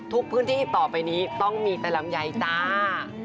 ทุกพื้นที่ต่อไปนี้ต้องมีแต่ลำไยจ้า